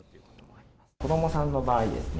子どもさんの場合ですね。